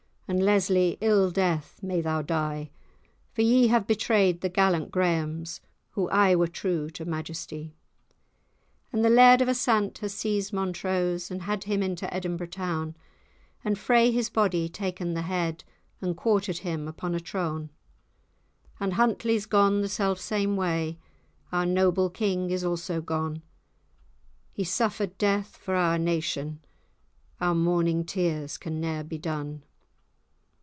And, Lesly, ill death may thou die! For ye have betray'd the gallant Grahams, Who aye were true to majestie. And the Laird of Assaint has seized Montrose, And had him into Edinburgh town; And frae his body taken the head, And quarter'd him upon a trone, And Huntly's[#] gone the self same way, And our noble king is also gone; He suffer'd death for our nation, Our mourning tears can ne'er be done.